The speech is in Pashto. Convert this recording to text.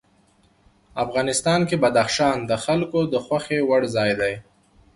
افغانستان کې بدخشان د خلکو د خوښې وړ ځای دی.